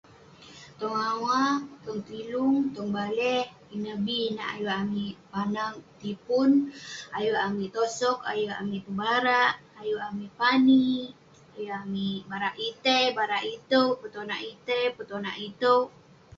Tong awa, tong tilung, tong baleh ; ineh bi inak amik panag petipun. Ayuk amik seritak, ayuk amik pebarak, ayuk amik pani, ayuk amik barak itei, barak itouk, petonak itei, petonak itouk.